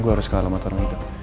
gue harus ke alamat orang itu